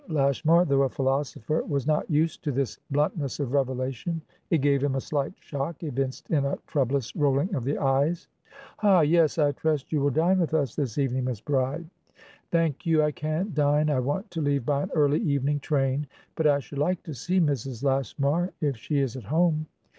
Lashmar, though a philosopher, was not used to this bluntness of revelation; it gave him a slight shock, evinced in a troublous rolling of the eyes. "Ha! yes!I trust you will dine with us this evening, Miss Bride?" "Thank you, I can't dine; I want to leave by an early evening train. But I should like to see Mrs. Lashmar, if she is at home."